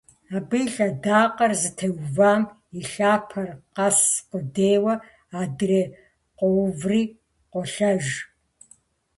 Абы и лъэдакъэр зытеувам и лъапэр къэс къудейуэ адрейр къоуври, къолъэж.